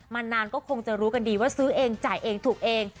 นานก็คงจะรู้กันดีว่าซื้อเองจ่ายเองถูกเอง